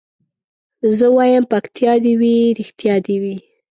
زه وايم پکتيا دي وي رښتيا دي وي